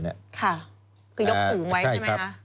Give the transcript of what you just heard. คือยกถุงไว้ใช่ไหมครับ